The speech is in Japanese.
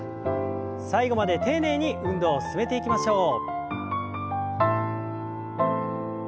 最後まで丁寧に運動を進めていきましょう。